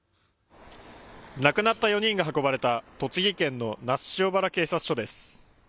亡くなった４人が運ばれた栃木県の那須塩原警察署です。